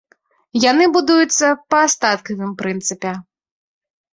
Яны будуюцца па астаткавым прынцыпе.